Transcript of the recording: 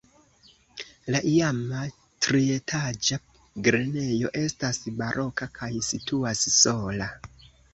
La iama trietaĝa grenejo estas baroka kaj situas sola.